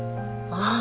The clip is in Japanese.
ああ。